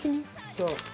そう。